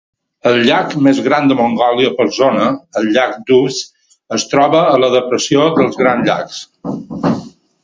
El llac més gran de Mongòlia per zona, el llac d'Uvz es troba a la depressió dels Grans Llacs.